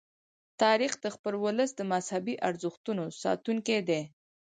تاریخ د خپل ولس د مذهبي ارزښتونو ساتونکی دی.